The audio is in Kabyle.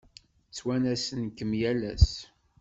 Ttwanasen-kem yal ass.